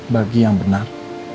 bagi yang benar